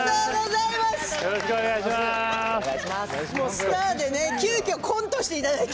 スターで急きょコントをしていただいて。